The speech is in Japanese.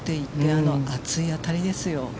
あの熱い当たりですよ。